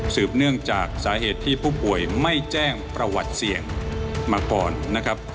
เนื่องจากสาเหตุที่ผู้ป่วยไม่แจ้งประวัติเสี่ยงมาก่อนนะครับ